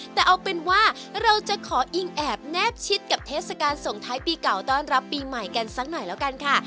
แต่เอาเป็นว่าเราจะขออิงแอบแนบชิดกับเทศกาลส่งท้ายปีเก่าต้อนรับปีใหม่กันสักหน่อยแล้วกันค่ะ